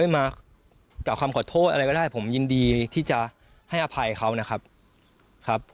มากล่าวคำขอโทษอะไรก็ได้ผมยินดีที่จะให้อภัยเขานะครับครับ